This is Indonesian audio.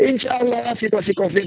insya allah situasi covid